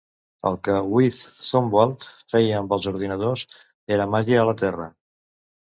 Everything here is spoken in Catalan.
El que "Wiz" Zumwalt feia amb els ordinadors era màgia a la Terra.